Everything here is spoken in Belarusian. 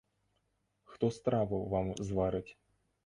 Хто страву вам зварыць?